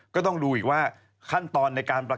ก็ดูไม่ได้แบบอะไร